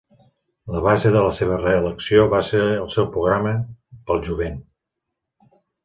La base de la seva reelecció va ser el seu "Programa pel jovent".